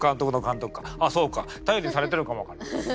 あっそうか頼りにされてるかも分からない。